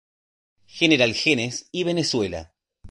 General Genes y Venezuela.